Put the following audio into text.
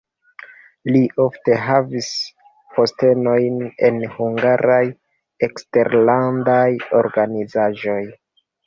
Li ofte havis postenojn en hungaraj eksterlandaj organizaĵoj.